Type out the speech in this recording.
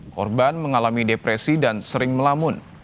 korban mengalami depresi dan sering melamun